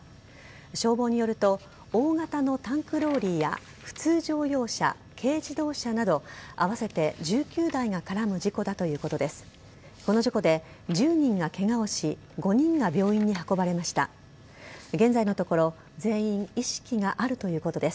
消防によると大型のタンクローリーや普通乗用車軽自動車など合わせて１９台が絡む事故だということです。